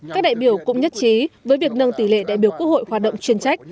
các đại biểu cũng nhất trí với việc nâng tỷ lệ đại biểu quốc hội hoạt động chuyên trách